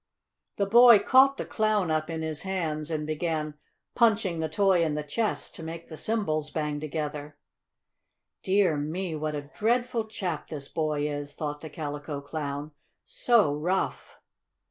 The boy caught the Clown up in his hands, and began punching the toy in the chest to make the cymbals bang together. "Dear me, what a dreadful chap this boy is!" thought the Calico Clown. "So rough!"